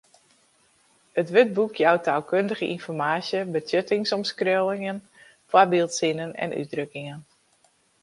It wurdboek jout taalkundige ynformaasje, betsjuttingsomskriuwingen, foarbyldsinnen en útdrukkingen.